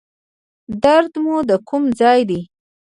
درد مو د کوم ځای دی؟